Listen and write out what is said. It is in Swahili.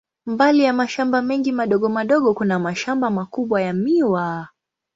Mbali ya mashamba mengi madogo madogo, kuna mashamba makubwa ya miwa.